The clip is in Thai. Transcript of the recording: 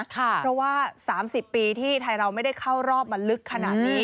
เพราะว่า๓๐ปีที่ไทยเราไม่ได้เข้ารอบมาลึกขนาดนี้